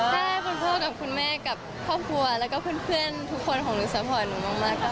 ถ้าคุณพ่อกับคุณแม่กับครอบครัวแล้วก็เพื่อนทุกคนของหนูซัพพอร์ตหนูมากค่ะ